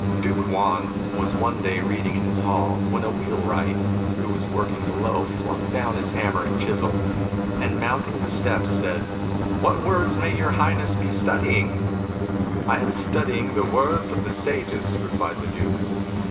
... Duke Huan was one day reading in his hall, when a wheelwright who was working below flung down his hammer and chisel, and mounting the steps said :" What words may your Highness be studying ?"" I am studying the words of the Sages," replied the Duke.